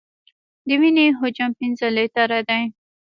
د وینې حجم پنځه لیټره دی.